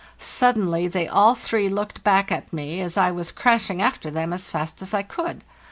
Suddenly they all three looked back at me, as I was crashing after them as fast as I could.